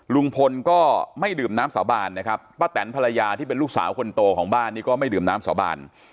ลุงพลก็ไม่ดื่มน้ำสาบานนะครับป้าแตนภรรยาที่เป็นลูกสาวคนโตของบ้านนี้ก็ไม่ดื่มน้ำสาบาน